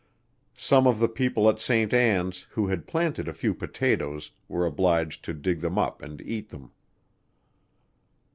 Some of the people at St. Ann's, who had planted a few potatoes, were obliged to dig them up and eat them.